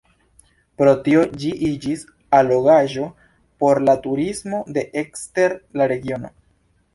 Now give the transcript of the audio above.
Pro tio ĝi iĝis allogaĵo por la turismo de ekster la regiono.